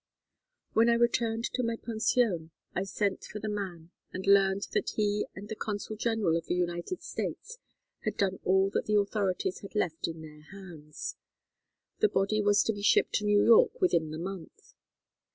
"When I returned to my pension I sent for the man and learned that he and the Consul General of the United States had done all that the authorities had left in their hands. The body was to be shipped to New York within the month.